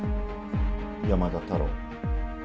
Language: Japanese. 山田太郎。